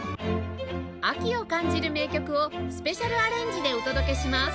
秋を感じる名曲をスペシャルアレンジでお届けします